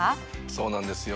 そうなんですよ。